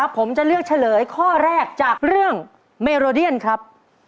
ผมจะเลือกเฉลยข้อแรกจากเรื่องเมโรเดียนครับ